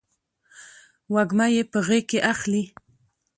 وږمه یې په غیږ کې اخلې